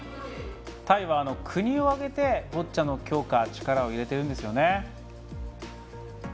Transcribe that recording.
タイは国を挙げてボッチャの強化力を入れてるんですよね。